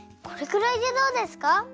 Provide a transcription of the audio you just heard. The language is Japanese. これくらいでどうですか？